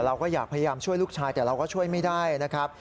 เราก็อยากพยายามช่วยลูกชายแต่เราก็ช่วยไม่ได้นะครับ